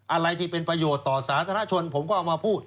อะไรที่เป็นประโยชน์ต่อสาธารณชนผมก็เอามาพูด